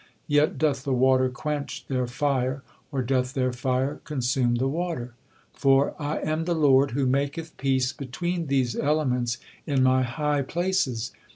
Yet doth the water quench their fire, or doth their fire consume the water? For, 'I am the Lord who maketh peace between these elements in My high places.'